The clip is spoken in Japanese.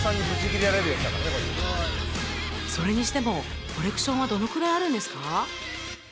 それにしてもコレクションはどのくらいあるんですか？